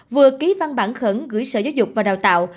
vừa ký văn bản khẩn gửi sở giáo dục và đào tạo